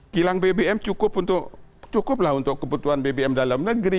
kilang bbm cukuplah untuk kebutuhan bbm dalam negeri